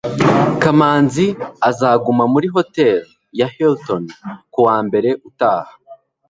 kamanzi azaguma muri hotel ya hilton kuwa mbere utaha